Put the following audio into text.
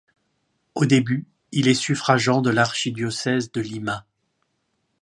Au début, il est suffragant de l'archidiocèse de Lima.